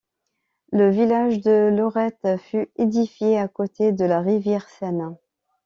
Le village de Lorette fut édifiée à côté de la rivière Seine.